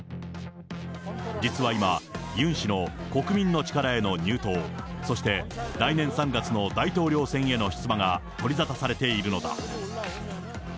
実は今、ユン氏の国民の力への入党、そして来年３月の大統領選への出馬が取り沙汰されているのだ。